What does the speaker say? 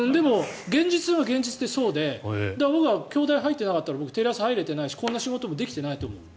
現実は現実でそうで僕は京大に入れてなかったらテレ朝に入れてないしこんな仕事もできていないと思う。